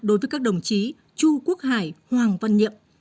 đối với các đồng chí chu quốc hải hoàng văn nhiệm